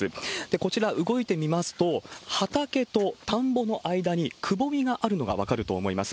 こちら、動いてみますと、畑と田んぼの間にくぼみがあるのが分かると思います。